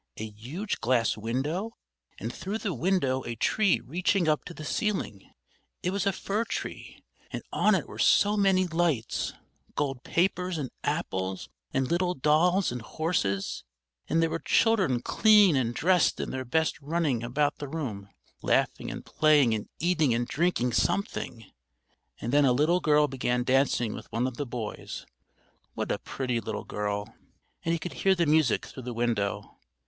A huge glass window, and through the window a tree reaching up to the ceiling; it was a fir tree, and on it were ever so many lights, gold papers and apples and little dolls and horses; and there were children clean and dressed in their best running about the room, laughing and playing and eating and drinking something. And then a little girl began dancing with one of the boys, what a pretty little girl! And he could hear the music through the window.